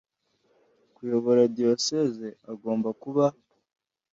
kuyobora diyosezi agomba kuba